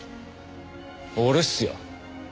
俺っすよ。